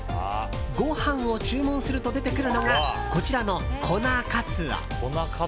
ご飯を注文すると出てくるのがこちらの粉かつお。